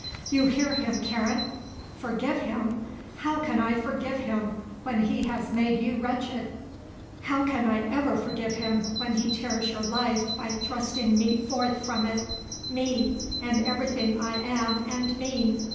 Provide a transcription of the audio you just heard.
"You hear him, Karen? Forgive him! How can I forgive him when he has made you wretched! How can I ever forgive him when he tears your life by thrusting me forth from it me and everything I am and mean!